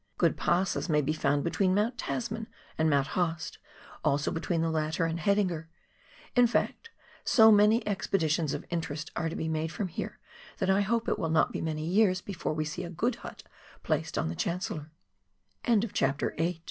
Good passes may be found between Mount Tasman and Mount Haast, also between the latter and Haidinger ; in fact, so many expeditions of interest are to be made from here that I hope it will not be many years before we see a good hut placed on the Chancell